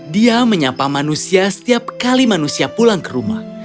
dia menyapa manusia setiap kali manusia pulang ke rumah